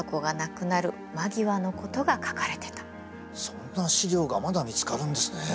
そんな史料がまだ見つかるんですね。